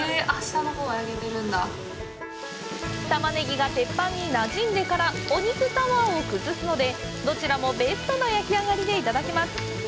たまねぎが鉄板になじんでからお肉タワーを崩すので、どちらもベストな焼き上がりでいただけます！